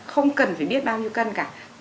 không cần phải biết bao nhiêu cân cả